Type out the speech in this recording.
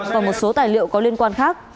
và một số tài liệu có liên quan khác